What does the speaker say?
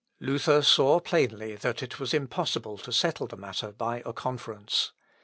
Luther saw plainly that it was impossible to settle the matter by a conference.